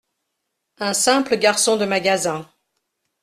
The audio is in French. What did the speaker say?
Un simple garçon de magasin …